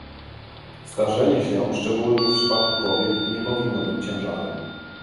Starzenie się, szczególnie w przypadku kobiet, nie powinno być ciężarem